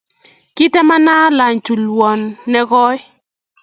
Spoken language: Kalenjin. Katemena alany tulwon nin koi.